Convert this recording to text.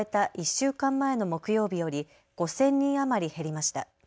１週間前の木曜日より５０００人余り減りました。